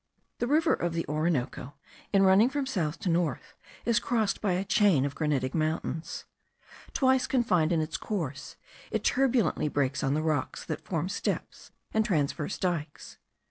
The river of the Orinoco, in running from south to north, is crossed by a chain of granitic mountains. Twice confined in its course, it turbulently breaks on the rocks, that form steps and transverse dykes.